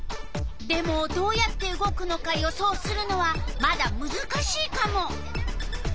でもどうやって動くのか予想するのはまだむずかしいカモ。